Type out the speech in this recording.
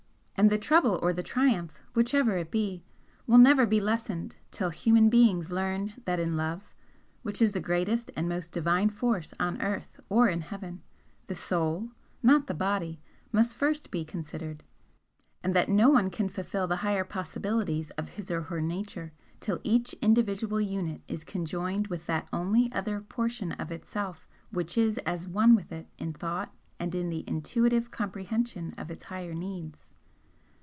And the trouble or the triumph, whichever it be, will never be lessened till human beings learn that in love, which is the greatest and most divine Force on earth or in heaven, the Soul, not the body, must first be considered, and that no one can fulfil the higher possibilities of his or her nature, till each individual unit is conjoined with that only other portion of itself which is as one with it in thought and in the intuitive comprehension of its higher needs.